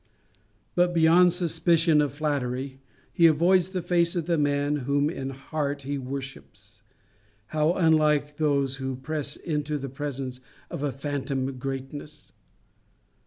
But beyond suspicion of flattery, he avoids the face of the man whom in heart he worships. How unlike those who press into the presence of a phantom greatness!